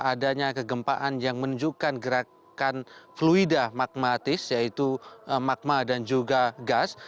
adanya kegempaan yang menunjukkan gerakan fluida magmatis yaitu magma dan juga gas